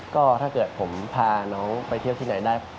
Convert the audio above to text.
ก็ถ้าเกิดผมพาน้องไปเที่ยวที่ไหนได้